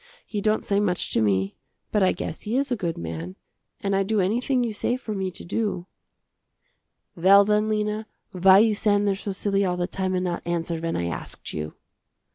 He don't say much to me, but I guess he is a good man, and I do anything you say for me to do." "Well then Lena, why you stand there so silly all the time and not answer when I asked you."